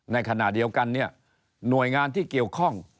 ในขณะเดียวกันเนี่ยหน่วยงานที่เกี่ยวข้อง